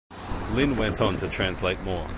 Lin went on to translate more.